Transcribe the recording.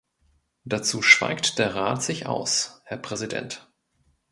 Dazu schweigt der Rat sich aus, Herr Präsident.